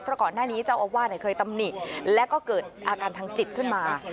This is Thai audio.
เพราะก่อนหน้านี้เจ้าอาวาสเคยตำหนิแล้วก็เกิดอาการทางจิตขึ้นมา